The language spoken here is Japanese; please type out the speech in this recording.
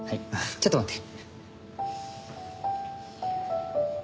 ちょっと待って。